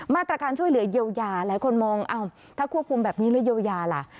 มาตรการช่วยเหลือเยียวยาหลายคนมองถ้าควบคุมแบบนี้แล้วเยียวยาล่ะ